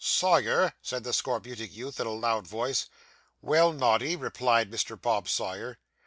'Sawyer,' said the scorbutic youth, in a loud voice. 'Well, Noddy,' replied Mr. Bob Sawyer.